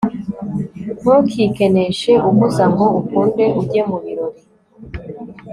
ntukikeneshe uguza ngo ukunde ujye mu birori